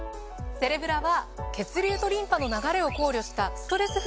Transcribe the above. セレブラは血流とリンパの流れを考慮したストレス